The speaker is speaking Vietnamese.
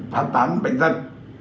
phát tán bệnh dân